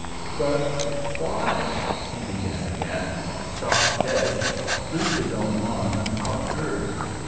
"But why " he began again; stopped dead, loosed his own arm and caught hers.